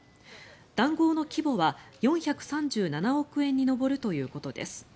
談合の規模は４３７億円に上るということです。